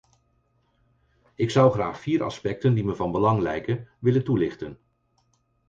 Ik zou graag vier aspecten die me van belang lijken willen toelichten.